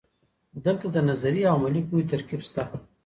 دلته د نظري او عملي پوهې ترکیب سته.